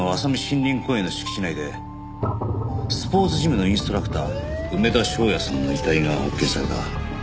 森林公園の敷地内でスポーツジムのインストラクター梅田翔也さんの遺体が発見された。